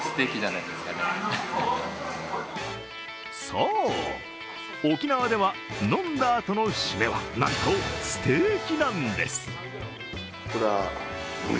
そう、沖縄では飲んだあとの締めはなんとステーキなんです。